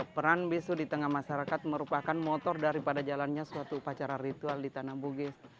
peran bisu di tengah masyarakat merupakan motor daripada jalannya suatu upacara ritual di tanah bugis